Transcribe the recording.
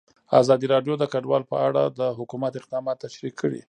ازادي راډیو د کډوال په اړه د حکومت اقدامات تشریح کړي.